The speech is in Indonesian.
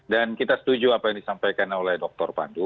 dan kita setuju apa yang disampaikan oleh dr pandu